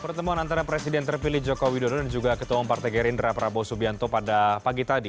pertemuan antara presiden terpilih jokowi dodo dan juga ketua omparte gerindra prabowo subianto pada pagi tadi